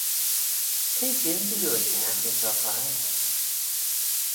Cre dynsee oo y çhiaghtin shoh chaie?